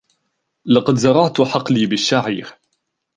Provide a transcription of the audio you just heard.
لقد زرعت حقلي بالشعير.